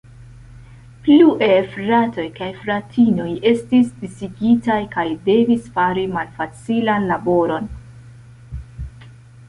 Plue, fratoj kaj fratinoj estis disigitaj kaj devis fari malfacilan laboron.